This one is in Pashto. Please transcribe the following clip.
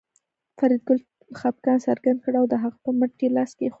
فریدګل خپګان څرګند کړ او د هغه په مټ یې لاس کېښود